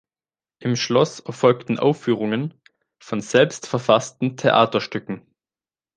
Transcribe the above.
Im Schloss erfolgten Aufführungen von selbstverfassten Theaterstücken.